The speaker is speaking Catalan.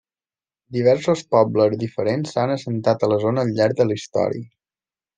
Diversos pobles diferents s'han assentat a la zona al llarg de la història.